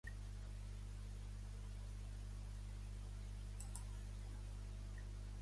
També ha acusat Espanya de mantenir un comportament ‘colonialista’.